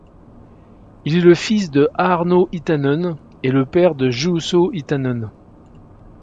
Il est le fils de Aarno Hietanen et le père de Juuso Hietanen.